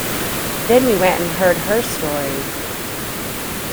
Then we went and heard her story..